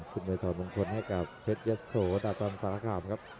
คุณมายต่อโมงคลให้กับเพ็ดยะโสดาบรันสระคามครับ